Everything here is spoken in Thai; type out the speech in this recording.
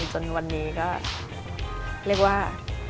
จนวันนี้ก็เรียกว่า